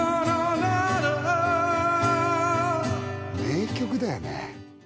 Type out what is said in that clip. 名曲だよね